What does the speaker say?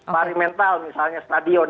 pari mental misalnya stadion